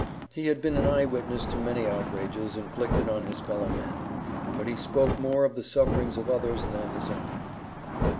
He had been an eye witness to many outrages inflicted on his fellow men. But he spoke more of the sufferings of others than his own.